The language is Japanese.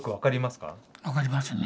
分かりますね